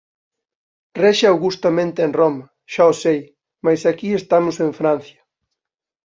Rexe augustamente en Roma, xa o sei; mais aquí estamos en Francia.